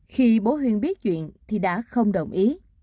khi bố huynh biết chuyện thì đã không đồng ý